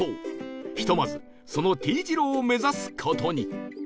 ひとまずその Ｔ 字路を目指す事に